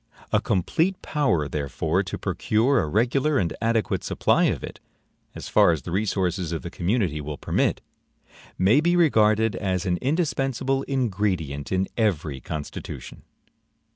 A complete power, therefore, to procure a regular and adequate supply of it, as far as the resources of the community will permit, may be regarded as an indispensable ingredient in every constitution.